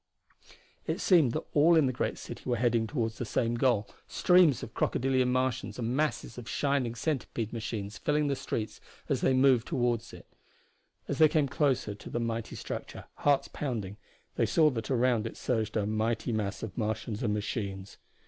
It seemed that all in the great city were heading toward the same goal, streams of crocodilian Martians and masses of shining centipede machines filling the streets as they moved toward it. As they came closer to the mighty structure, hearts pounding, they saw that around it surged a mighty mass of Martians and machines.